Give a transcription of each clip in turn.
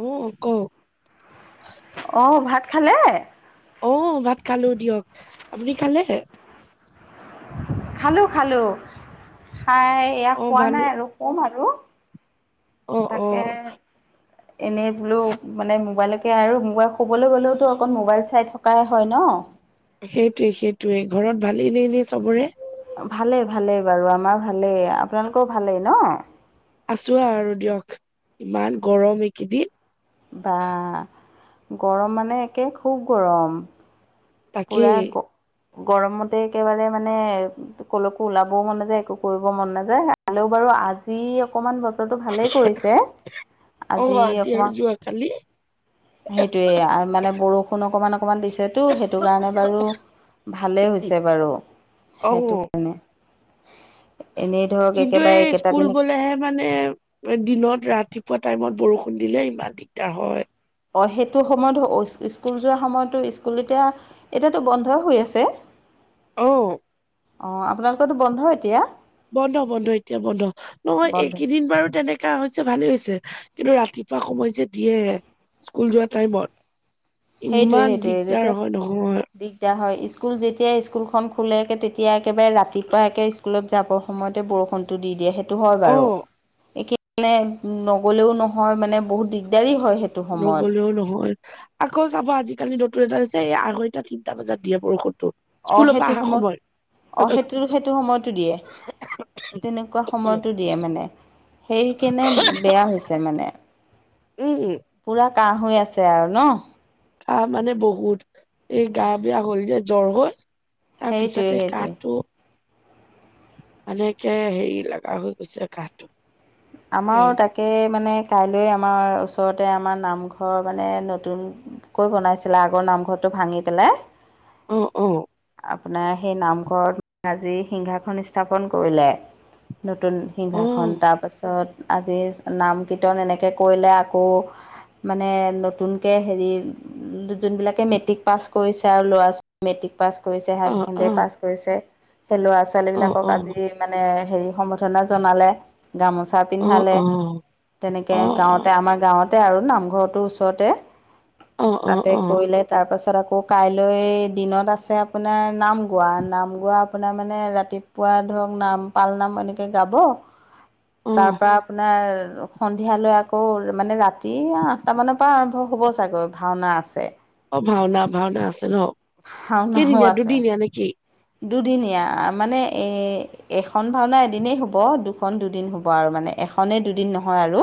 অ' কওক। অ' ভাত খালে? অ' ভাত খালোঁ দিয়ক আপুনি খালে? খালোঁ-খালোঁ, খায় এয়া অ', শুৱা নাই ভালে আৰু শুম আৰু। অ', অ', তাকেহে। এনেই বোলো মানে মোবাইলকে আৰু মোবাইল ক'বলৈ গ'লেওতো অকণ মোবাইল চাই থকাই হয় ন'। সেইটোৱে-সেইটোৱে ঘৰত ভালেই নে‌ এনে চবৰে। ভালেই-ভালেই বাৰু আমাৰ ভালেই আপোনালোকৰ ভালেই ন'। আছোঁ আৰু দিয়ক ইমান গৰম এইকেইদিন। বা গৰম মানে একে খুব গৰম। পোৰা তাকেই আকৌ গৰমতে একেবাৰে মানে কলৈকো ওলাবও মন নাযায় একো কৰিব মন নাযায়, হ'লেও বাৰু আজি অকমান বতৰ বতৰটো ভালেই কৰিছে অ', আজি আৰু অকমান। যোৱাকালি সেইটোৱে মানে বৰষুণ অকমান-অকমান দিছেতো সেই সেইটো কাৰণে বাৰু ভালেই হৈছে বাৰু সেইটো অ', কাৰণে এনেই ধৰক কিন্তু একেবাৰে এই একেটা স্কুল দিন গ'লেহে মানে দিনত ৰাতিপুৱা টাইমত বৰষুণ দিলে ইমান দিগদাৰ হয়। অ' সেইটো সময়ত স্কুল যোৱাৰ সময়তো স্কুল এতিয়া এতিয়াটো বন্ধ হৈ আছে। অ', অ আপোনালোকৰতো বন্ধ এতিয়া। বন্ধ বন্ধ এতিয়া বন্ধ নহয় বন্ধ এইকেইদিন বাৰু তেনেক কা হৈছে ভালেই হৈছে কিন্তু ৰাতিপুৱা সময় যে দিয়ে স্কুল যোৱা টাইমত। সেইটোৱে ইমান সেইটোৱে দিগদাৰ যেতিয়া হয় নহয়। দিগদাৰ হয় স্কুল যেতিয়া স্কুলখন খোলে তেতিয়া একেবাৰে ৰাতিপুৱা একে স্কুলত যাব সময়তে বৰষুণটো দি দিয়ে। সেইটো হয় বাৰু, অ' একে মানে নগ'লেও নহয় মানে বহুত দিগদাৰি হয় সেইটো। সময়ত নগ'লেও নহয়। আকৌ চাবা আজিকালি নতুন এটা হৈছে এই আঢ়ৈটা তিনটা বজাত দিয়ে বৰষুণটো। অ স্কুলৰ পৰা সেইটো অহা সময় সময়ত অ সেইটো সেইটো সময়টো দিয়ে। তেনেকুৱা উম, সময়টো দিয়ে মানে সেই কেনে বেয়া হৈছে মানে। উম। পুৰা কাহ হৈ আছে আৰু ন। গা মানে বহুত এই গা বেয়া হ'ল যে জ্বৰ হৈ' তাৰ সেইটোৱে পিছতে সেইটোৱে কাহটো। মানে একে হেৰি লগা হৈ গৈছে কাহটো। আমাৰো উম, তাক। তাকে মানে কাইলে আমাৰ ওচৰতে আমাৰ নামঘৰ মানে নতুন। কৈ বনাইছিলে আগৰ নামঘৰটো ভাঙি পেলাই অ অ আপোনাৰ সেই নামঘৰত আজি সিংহাসন স্থাপন কৰিলে। নতুন সিংহাসন অ', তাৰপাছত আজি নাম কীৰ্তন এনেকে কৰিলে আকৌ। মানে নতুনকে হেৰি যোনবিলাকে মেট্ৰিক পাছ কৰিছে আৰু ল'ৰা ছোৱা মেট্ৰিক পাছ কৰিছে হায়াৰ অ', ছেকেণ্ডেৰী অ', পাছ কৰিছে সেই ল'ৰা অ', ছোৱালীবিলাকক অ', আজি। মানে হেৰি সম্বৰ্ধনা জনালে গামোচা। চা অ', পিন্ধালে অ'। তেনেকে অ', অ', অ', গাঁৱতে আমাৰ গাঁৱত। তাতে আৰু নামঘৰটো ওচৰতে অ', অ', তাতে। কৰিলে তাৰপাছত আকৌ কাইলৈ দিনত আছে আপোনাৰ নাম গোৱা নাম গোৱা। আপোনাৰ মানে ৰাতিপুৱা ধৰক নাম পাল নাম এনেকে গাব। তা অ', পা আপোনাৰ। সন্ধিয়ালৈ আকৌ মানে ৰাতি আঠটামানৰ পৰা আৰম্ভ হ'ব চাগৈ ভাওনা আছে। অ ভাওনা ভাওনা আছে ন ভাওনাও কেইদিনীয়া আছে দুদিনীয়া নিকি। দুদিনীয়া মানে এ। এখন ভাওনা এদিনেই হ'ব দুখন দুদিন হ'ব আৰু মানে এখনেই দুদিন নহয় আৰু।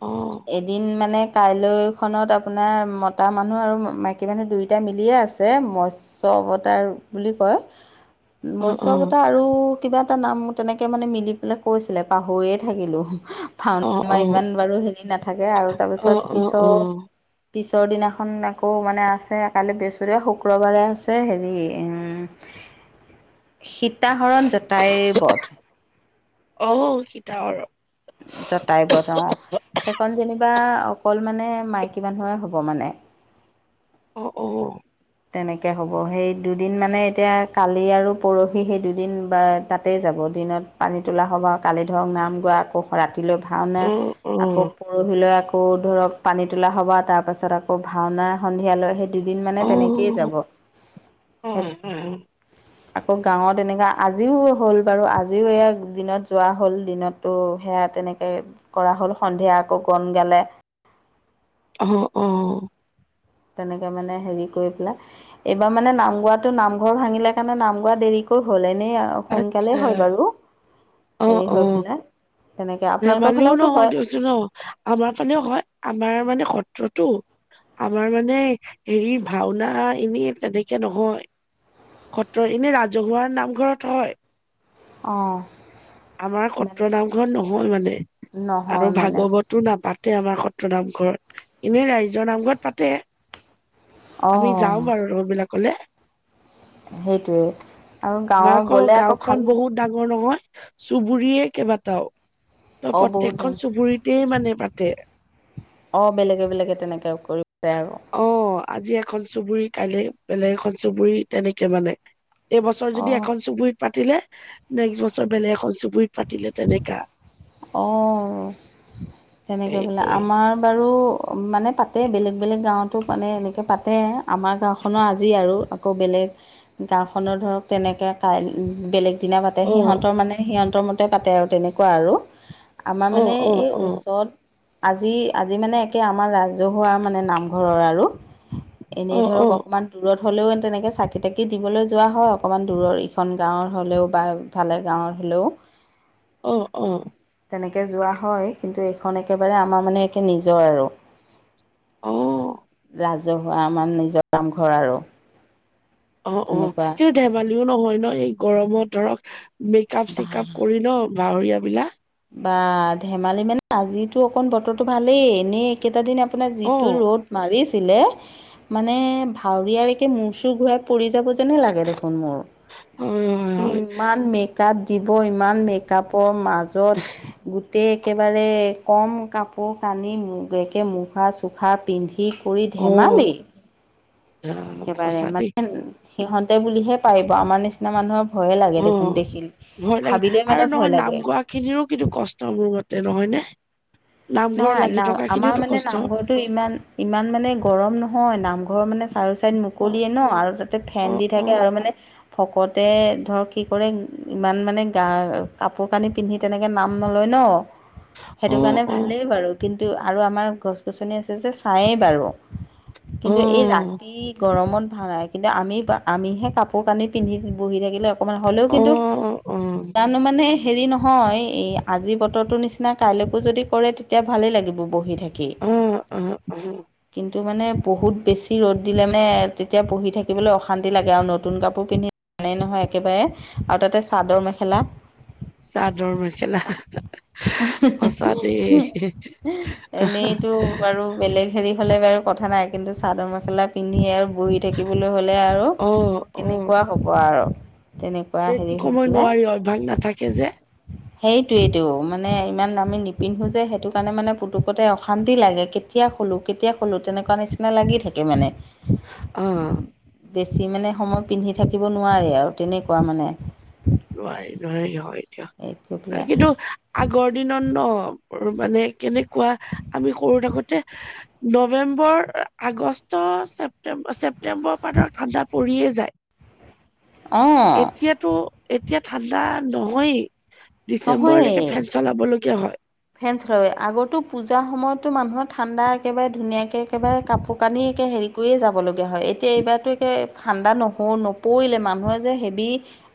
অ', এদিন মানে। কাইলৈ খনত আপোনাৰ মতা মানুহ আৰু মাইকী মানুহ দুয়োটা মিলিয়ে আছে মৎস্ চ অবতাৰ বুলি কয় অ', মৎস্য অ'। অবতাৰ আ আৰু কিবা এটা নাম তেনেকে মানে মিলি পেলাই কৈছিলে পাহৰিয়ে থাকিলো। ভাওনা মই ইমান বাৰু হেৰি নাথাকে আৰু তাৰ পিছত পিছৰ। পিছৰ দিনাখন আকৌ মানে আছে কালি বৃহস্পতিবাৰ শুক্ৰবাৰে আছে হেৰি। উম সীতাহৰণ জতাইৰ বধ। অ সীতাৰ জতাইবধ অ সেইখন যেনিবা অকল মানে মাইকী মানুহে হ'ব মানে। অ অ তেনেকে হ'ব সেই দুদিন মানে এতিয়া কালি আৰু পৰহি সেই দুদিন বা তাতেই যাব দিনত। পানী তোলা হ'ব আৰু কালি ধৰক নাম গোৱা আকৌ ৰাতিলৈ ভাওনে। আকৌ পৰহিলৈ আকৌ ধৰক পানী তোলা সভা তাৰ পাছত আকৌ ভাওনা সন্ধিয়ালৈ সেই। দুদিন মানে তেনেকে। উ অ অ অ অ আকৌ গাঁৱত এনেকা আজিও হ'ল বাৰু আজিও এয়া দিনত যোৱা হ'ল দিনত তো সেয়া তেনেকে কৰা হ'ল সন্ধিয়া আকৌ গণ গালে। অ অ। তেনেকে মানে হেৰি কৰি পেলাই। এইবাৰ মানে নাম গোৱাটো নামঘৰ ভাঙিলে কাৰণে নাম গোৱা দেৰিকৈ হ'ল এনেই আ সোনকালেই হয় বাৰু অ হেৰি অ হৈ পেলাই তেনেকে আপোনালোকৰ ফালেওতো হয়। আহ আমাৰ ফালে হয় আমাৰ মানে সত্ৰটো আমাৰ মানে হেৰি ভাওনা এনেই তেনেকে নহয়। সত্ৰ এনে ৰাজহুৱা নামঘৰত হয়। অঁ। আমাৰ মানে সত্ৰ নামঘৰত নহয় মানে আৰু নহয় মানে ভাগৱত টো নাপাতে আমাৰ সত্ৰ নামঘৰত, এনেই ৰাইজৰ নামঘৰত পাতে। আমি অঁ যাওঁ বাৰু ৰবিলাকলে। সেইটোয়ে আৰু আমাৰ গাঁৱৰ গ'লে আকৌ গাঁওখন ভাল বহুত ডাঙৰ নহয়, চুবুৰিয়ে কেইবাটাও, তই অঁ বহুত প্ৰত্যেকখন চুবুৰিত তি মানে পাতে। অঁ বেলেগে বেলেগে তেনেকৈ কৰিছে আৰু। অ আজি এখন চুবুৰী, কাইলে বেলেগ এখন চুবুুৰী তেনেকে মানে। এইবছৰ যদি অঁ এখন চুবুৰীত পাতিলে, নেক্সট বছৰ বেলেগ এখন চুবুৰিত পাতিলে তেনেকা। অঁ তেনেকৈ হেৰি বোলে, কৰি আমাৰ বাৰু অ মানে পাতে বেলেগ বেলেগ গাঁৱতো মানে এনেকৈ পাতে, আমাৰ গাঁওখনৰ আজি আৰু আকৌ বেলেগ গাঁওখনৰ ধৰক তেনেকৈ কাই বেলেগ দিনা পাতে অ সিহঁতৰ মানে সিহঁতৰ মতে পাতে আৰু তেনেকুৱা আৰু। আমাৰ অ মানে অ এই অ ওচৰত আজি আজি মানে একে আমাৰ ৰাজহুৱা মানে নামঘৰৰ আৰু এনেই ধৰক অ কণমান দূৰত হ'লেও তেনেকৈ চাকি - তাকি দিবলৈ যোৱা হয় অকণমান দূৰৰ ইখন গাঁৱৰ হ'লেও বা সিফালে গাঁৱৰ হলেও। অ অ। তেনেকে যোৱা হয় কিন্তু এইখন একেবাৰে আমাৰ মানে একে নিজৰ আৰু। অ। ৰাজহুৱা আমাৰ নিজৰ নামঘৰ আৰু। অ অ তেনেকুৱা কিন্তু ধেমালিও নহয় ন এই গৰমত ধৰক মেকআপ- চেকাপ কৰি ন বাহৰীয়াবিলা বা ধেমালি মানে আজিতো অকণ বতৰটো ভালেই এনেই কেইটা দিন আপোনাৰ অ যিটো ৰ'দ মাৰিছিলে মানে ভাৱৰীয়াৰকে মূৰ - চূৰ ঘূৰাই পৰি যাব যেনে লাগে দেখোন মোৰ। হয় হয় হয় ইমান মেকআপ দিব, ইমান মেকআপৰ মা দত গোটেই একেবাৰে কম কাপোৰ কানি মূ একে মুখা চু জোখা পিন্ধি কৰি অ ধেমালি। আহ একেবাৰে সঁচা মানে দেই সিহঁতে বুলিহে পাৰিব আমাৰ নিচি চিনা মানুহৰ ভয়ে লাগে অ দেখোন দেখিল, ভাবিলেই মানে ভয় লাগে। কিনিও কিন্তু কষ্ট মোৰ মতে নহয় নে? নামঘৰ নহয় লাগি না থকা আমাৰ খিনিওতো মানে কষ্ট নামঘৰটো ইমান ইমান মানে গৰম নহয়, নামঘৰ মানে চাৰু চাইড মু অ কলিয়ে ন আৰু তাতে ফেন অ দি অ থাকে আৰু মানে ভকতে ধৰক কি কৰে ইমান মানে গা কাপোৰ কানি পিন্ধি তেনেকে নাম নলয় ন, সেইটো অ কাৰণে অ ভালেই বাৰু কি কিন্তু আৰু আমাৰ গছ- গছনি আছে যে চায়েই বাৰু। অ কিন্তু এই ৰাতি গৰমত ভাঙাই কিন্তু আমি আমিহে কাপোৰ কানি পিন্ধি বহি থাকিলে অকমান হ'লেও অ অ কিন্তু অ কানো মানে হেৰি নহয়, এই আজি বতৰটোৰ নিচিনা কাইলৈকো যদি কৰে তেতিয়া ভালেই লাগিব বহি থাকি। উম উম উম। কিন্তু মানে বহুত বেছি ৰ'দ দিলে মানে তেতিয়া পঢ়ি থাকিবলৈ অশান্তি লাগে আৰু নতুন কাপোৰ পিন্ধি নেই নহয় একেবাৰে আৰু তাতে চাদৰ- মেখেলা চাদৰ -মেখেলা [unintelligible] সঁচাদেই। হি ই, এনেইতো বাৰু বেলেগ হেৰি হ'লে বাৰু কথা নাই কিন্তু চাদৰ - মেখেলা পিন্ধি আৰু বুঢ়ি তেকিবলৈ হ'লে আৰু অ অ কেনেকুৱা হ'ব আৰু। তেনেকুৱা বেছি হেৰি হৈ সময় পেলায়। নোৱাৰি অভ্যাস নাথাকে যে সেইটোৱেটো মানে ইমান দামী নিপি নিপিন্ধো যে সেইটো কাৰণে মানে পুতুকতে অশান্তি লাগে কেতিয়া খুলোঁ- কেতিয়া খুলোঁ তেনেকুৱা নিচিন না লাগি থাকে মানে। অ', বেছি মানে সময় পিন্ধি থাকিব নোৱাৰে আৰু তেনেকুৱা মানে। নোৱাৰি- নোৱাৰি হয় দিয়া হেৰি কৰি এ পেলাই কিন্তু আগৰ দিনত ন' [unintelligible] মানে কেনেকুৱা আমি সৰু থাকোত তে নৱেম্বৰ, আগষ্ট, ছেপ্তেম্বৰ -ছেপ্তেম্বৰ পানৰ ঠাণ্ডাত পৰিয়ে যায় অঁ এতিয়াতো এতিয়া ঠাণ্ডা নহয়েই ডিচেম্বৰলৈকে ফেন চলাব লগীয়া হয়। ফেনচ লয় আগৰতো পূজাৰ সময়তো মানুহৰ ঠাণ্ডা একেবাৰে ধুনীয়াকে একেবাৰে কাপোৰ কানি একে হেৰি একোৱে যাবলগীয়া হয় এতিয়া এইবাৰতো একে ঠাণ্ডা নহো নপৰিলে মানুহে যে হেবি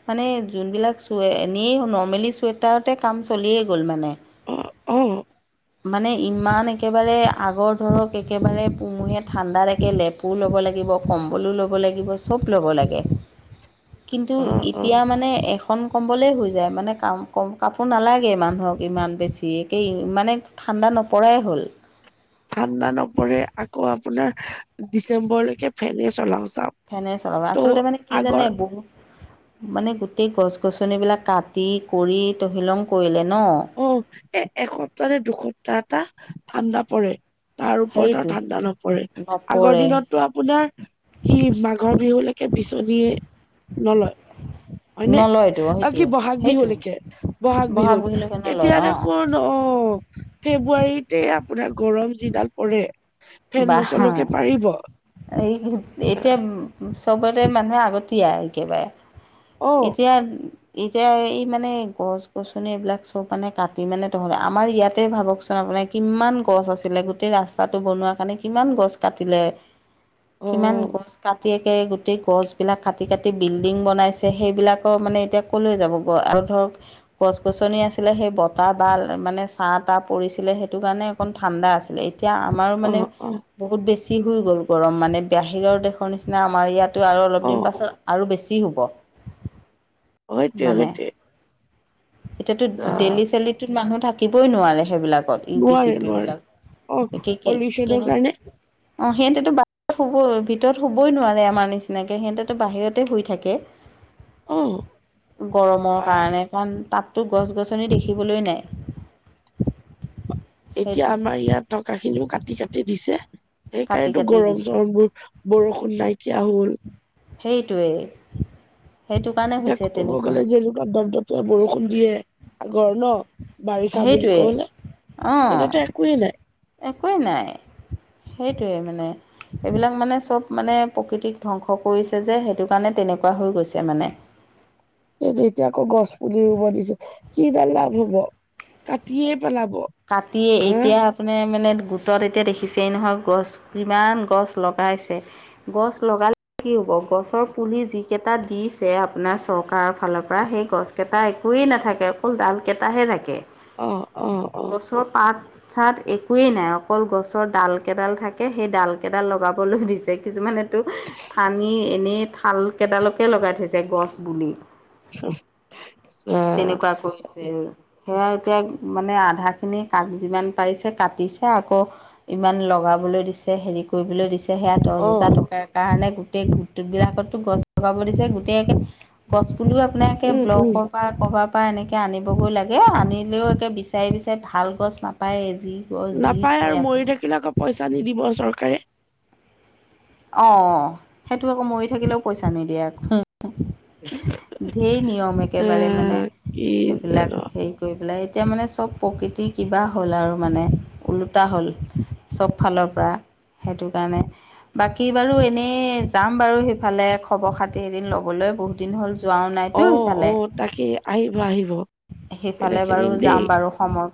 মানে যোনবিলাক চুৱে নি নৰ্মেলি চুৱেটাৰতে কাম চলিয়েই গ'ল মানে। অ', অ', মানে ইমান একেবাৰে আগৰ ধৰক একেবাৰে পুমুহীয়া ঠাণ্ডাত একে লেপ পো ল'ব লাগিব কম্বলো ল'ব লাগিব চব ল'ব লাগে। কিন্তু অ', এতিয়া অ', মানে এখ খন কম্বলেই হৈ যায় মানে কাম কম কাপোৰ নালাগে মানুহক ইমান বেছি ধিয়েকে ইমানে ঠাণ্ডা নপৰাই হ'ল। ঠাণ্ডা নপৰে আকৌ আপোনাৰ ডিচেম্বৰলৈকে ফেনে চলাওঁ চাওঁক। ফেনে চলাওঁ আচলতে মানে কি জানে বহুত মানে গোটেই গছ-গছনিবিলাক কাটি কৰি তহিলং কৰিলে ন'। অ, এ এসপ্তাহ নে দুসপ্তাহ এটা ঠাণ্ডা পৰে। তাৰ ওপৰত আৰ সেইটো ঠাণ্ডা নপৰে আগৰ নপৰে দিনততো আপোনাৰ কি মাঘৰ বিহুলৈকে বিচনী নলয়। হয়নে নলয়তো অহ, কি সেইটোৱে ব'হাগ সেইটোৱে বিহুলৈকে ব'হাগ বিহুত বিহুলৈকে নলয় এতিয়াৰে অঁ ক'ত ন' অহ, ফেব্ৰুৱাৰীতে আপোনাৰ গৰম যিডাল পৰে ফেন বাহ হা, নচলোৱাকে পাৰিব এই এতিয়া চবতে মানুহে আগতিয়াই একেবাৰে অ এতিয়া এতিয়া এই মানে গছ- গছনি এইবিলাক চব কাটি মানে তহলে আমাৰ ইয়াতে ভাবকচোন [unintelligible] কিম্মান গছ আছিলে গোটেই ৰাস্তাটো বনোৱাত মানে কিমান গছ কাটিলে অ কিমান গছ কাটি একে গোট গোটেই গছবিলাক কাটি -কাটি বিল্ডিং বনাইছে সেইবিলাকৰ মানে এতিয়া ক'লৈ যাবগৈ আৰু ধৰক গছ -গছনি আছিলে সেই বতাহ বা মানে ছাঁ তাহ পৰিছিলে সেইটো কাৰণে অকণ ঠাণ্ডা আছিলে এত এতিয়া আমাৰো মানে অহ', বহুত বেছি হৈ গ'ল গৰম মানে বাহিৰৰ দেশৰ নিচিনা আমাৰ ইয়াতো আৰু অলপ অ অ দিন পাছত আৰু বেছি হোব। অহ, এইটোৱে সেইটোৱে। এতিয়াতো অ দেইলি চেইলিত টো মানুহ থাকিবই নোৱাৰে সেইবিলাক। কত ইউ পি চি নোৱাৰে পি নোৱাৰে বিলাক অ একে -একে পলিউচনৰ কেনে কাৰণে অ, সেইটোতো বাদ শুব ভিতৰত শুবৈ নোৱাৰে আমাৰ নিচিনাকে সিহঁতেটো বাহিৰতে শুই থাকে। অ গৰমৰ আহ, কাৰণে। কাৰণ তাততো গছ- গছনি দেখিবলৈ নাই। সেই এতিয়া আমাৰ ইয়াত থকা খিনিও কাটি কাটি দিছে সেই কাটি কাৰণে কাটি গৰম দিছে চৰম বোৰ- বৰষুণ নাইকিয়া হ'ল। সেইটোৱে। এতিয়া ক'ব গ'লে যে এনেকুৱা দপ দপীয়া বৰষুণ দিয়ে আগৰ ন' বাৰিষা বুলি সেইটোৱে কলে অঁ এতিয়াতো একোৱেই নাই। একোৱেই নাই সেইটোৱে মানে- এইবিলাক মানে চব মানে প্ৰকৃতিক ধ্বংস কৰিছে যে সেইটো কাৰণে তেনেকুৱা হৈ গৈছে। মানে সেই এতিয়া আকৌ গছ পুলি ৰুব দিছে, কিডাল লাভ হব কাটিয়ে পেলাব। কাটিয়ে হা এতিয়া - মানে মানে গোটত এতিয়া দেখিছেই নহয়, গছ যিমান গছ লগাইছে। গছ লগালে কি হ'ব, গছৰ পুলি যিকেইটা দিছে আপোনাৰ চৰকাৰৰ ফালৰ পৰা সেই গছ কেইটা একোৱেই নাথাকে, অকল ডাল কেইটাহে থাকে। অ অ। অ গছৰ পাত - চাত একোৱেই নাই, অকল গছৰ ডাল কেইডাল থাকে সেই ডাল কেইডাল লগাবলৈ দিছে। কিছুমানে তো থানি এনেই থাল কেইডালকে লগাই থৈছে গছ পুলি। আহ, তেনেকুৱা আছে। কৰিছে। সেয়া এতিয়া মানে আধা- খিনি কাক যিমান পাৰিছে কাটিছে, আকৌ ইমান লগাবলৈ দিছে হেৰি কৰিবলৈ দিছে। সেয়া দহ অ হাজাৰ টকাৰ কাৰণে গোটেই গোট বিলাকত গছ লগাব দিছে, গোটেই- গছপুলি আপোনালোকে উম উম ব্লকত - পৰা ক'ৰবাৰ পৰা এনেকৈ আনিবগৈ লাগে, আনিলেও একে বিচাৰি বিচাৰি ভাল গছ নাপায়ে যি- গছ নাপায় দিছে আৰু মৰি আপোনাৰ থাকিলে আকৌ পইচা নিদিব চৰকাৰে। অ সেইটো আকৌ মৰি থাকিলেও পইচা নিদিয়ে। ধেই নিয়ম এ একেবাৰে মানে কি যে সেইবিলাক ন হেৰি- গৈ পেলাই এতিয়া মানে চব প্ৰকৃতি কিবা হ'ল আৰু মানে ওলোটা হ'ল। চব ফালৰ পৰা সেইটো কাৰণে। বাকী বাৰু এনেই যাম বাৰু সেইফালে খবৰ খাতি এদিন ল'বলৈ, বহুত দিন হ'ল যোৱাও অ নাইতো অ সেইফালে। তাকে আহিব আহিব সেইফালে বেলেগ এদিন বাৰু দেই যাম বাৰু সময়ত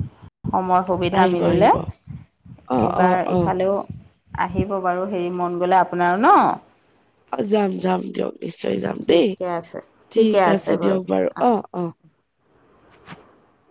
- সময় সুবিধা আহিব মিলিলে, আহিব অ অ এইবাৰ অ ইফালেও আহিব বাৰু হেৰি মন গ'লে আপোনাৰ ন। অ যাম যাম দিয়ক নিশ্চয় যাম দেই, ঠিকে আছে ঠিকে ঠিক আছে দিয়ক বাৰু অ অ। [inaudible]